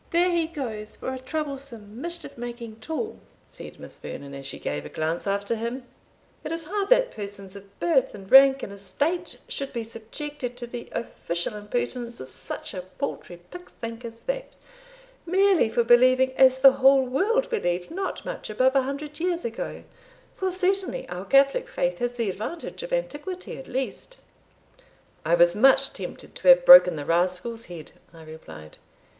"There he goes for a troublesome mischief making tool," said Miss Vernon, as she gave a glance after him; "it is hard that persons of birth and rank and estate should be subjected to the official impertinence of such a paltry pickthank as that, merely for believing as the whole world believed not much above a hundred years ago for certainly our Catholic Faith has the advantage of antiquity at least." "I was much tempted to have broken the rascal's head," I replied.